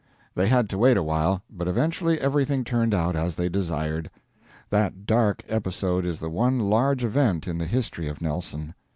They had to wait a while, but eventually everything turned out as they desired. That dark episode is the one large event in the history of Nelson.